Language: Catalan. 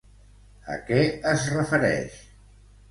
A què es refereix?